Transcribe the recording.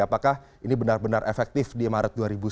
apakah ini benar benar efektif di maret dua ribu sembilan belas